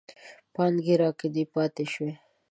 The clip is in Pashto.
پانګې راکدې پاتې شي.